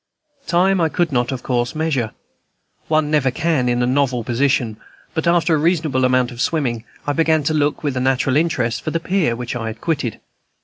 Time I could not, of course, measure, one never can in a novel position; but, after a reasonable amount of swimming, I began to look, with a natural interest, for the pier which I had quitted.